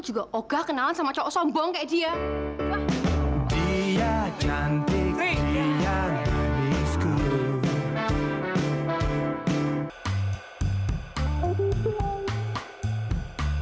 juga ogahku ya ya lu nyuruh orang kenalin orang yang udah lo kenal payah lu rick aku juga ogahku